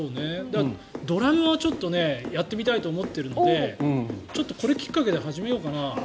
ドラムはちょっとやってみたいと思ってるのでちょっとこれきっかけで始めようかな。